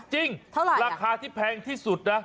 จริงราคาที่แพงที่สุดนะ